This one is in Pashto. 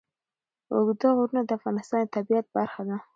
اوږده غرونه د افغانستان د طبیعت برخه ده.